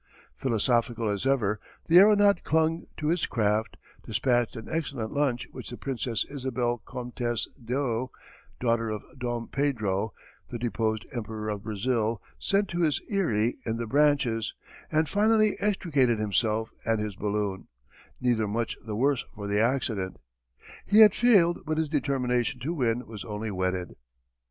Philosophical as ever the aeronaut clung to his craft, dispatched an excellent lunch which the Princess Isabel, Comtesse d'Eu, daughter of Dom Pedro, the deposed Emperor of Brazil, sent to his eyrie in the branches, and finally extricated himself and his balloon neither much the worse for the accident. He had failed but his determination to win was only whetted.